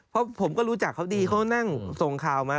เพราะผมก็รู้จักเขาดีเขานั่งส่งข่าวมา